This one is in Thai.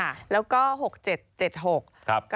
สวัสดีค่ะสวัสดีค่ะสวัสดีค่ะสวัสดีค่ะ